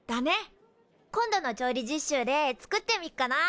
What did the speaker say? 今度の調理実習で作ってみっかな。